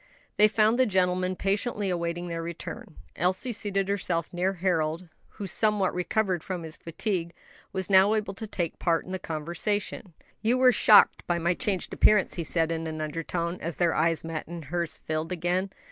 They found the gentlemen patiently awaiting their return. Elsie seated herself near Harold, who, somewhat recovered from his fatigue, was now able to take part in the conversation. "You were shocked by my changed appearance?" he said, in an undertone, as their eyes met and hers filled again.